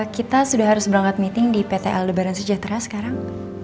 kita sudah harus berangkat meeting di pt al lebaran sejahtera sekarang